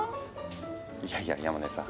いやいや山根さん